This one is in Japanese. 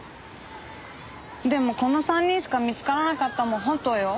でもこの３人しか見つからなかったのも本当よ。